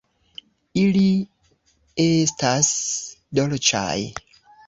Ili estas dolĉaj!